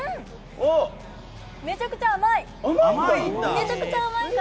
めちゃくちゃ甘い！